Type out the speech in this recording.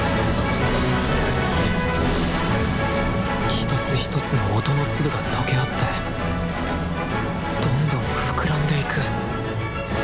一つ一つの音の粒が溶け合ってどんどん膨らんでいく。